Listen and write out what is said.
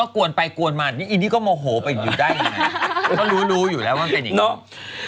กวนไปกวนมาอันนี้ก็โมโหไปอยู่ได้รู้อยู่แล้วว่าเป็นยังไง